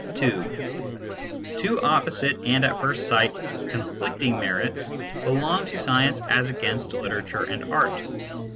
II Two opposite and at first sight conflicting merit* belong to science as against literature and art.